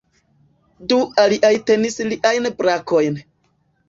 Du aliaj tenis liajn brakojn.